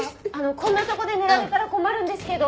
こんなとこで寝られたら困るんですけど！